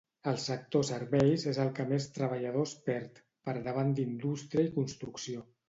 El sector Serveis és el que més treballadors perd, per davant d'Indústria i Construcció.